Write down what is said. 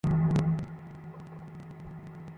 এখানে একটা তালিকা আছে।